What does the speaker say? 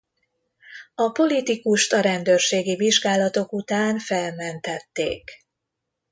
A politikust a rendőrségi vizsgálatok után felmentették.